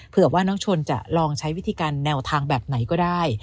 เผื่อว่าน้องชนจะลองใช้วิธีการแนวทางแบบไหนก็ได้